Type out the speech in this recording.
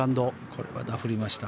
これはダフりました。